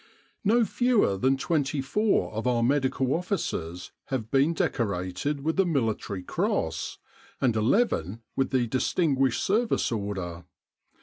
No fewer than twenty four of our Medical Officers have been decorated with the Mili tary Cross, and eleven with the Distinguished Service Order.